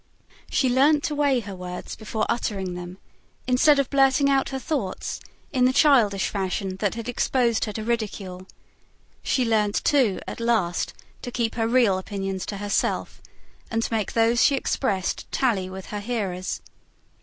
She learnt to weigh her words before uttering them, instead of blurting out her thoughts in the childish fashion that had exposed her to ridicule; she learnt, too, at last, to keep her real opinions to herself, and to make those she expressed tally with her hearers'.